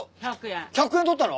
１００円取ったの？